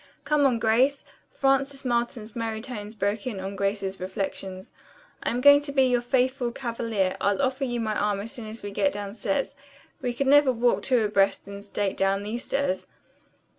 "Come on, Grace!" Frances Marlton's merry tones broke in on Grace's reflections. "I'm going to be your faithful cavalier. I'll offer you my arm as soon as we get downstairs. We never could walk two abreast in state down these stairs."